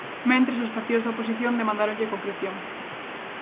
Mentres, os partidos da oposición demandáronlle concreción.